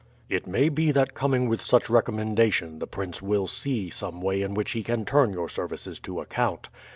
"It may be that coming with such recommendation the Prince will see some way in which he can turn your services to account.